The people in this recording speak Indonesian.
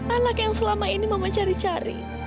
anak yang selama ini mama cari cari